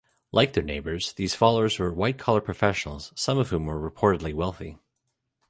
Like their neighbors, these followers were white-collar professionals, some of whom were reportedly wealthy.